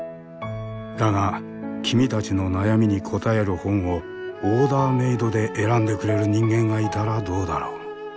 だが君たちの悩みに答える本をオーダーメードで選んでくれる人間がいたらどうだろう？